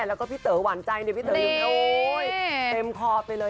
แล้วก็พี่เต๋อหวานใจพี่เต๋ออยู่ในโอ้ยเต็มคอไปเลย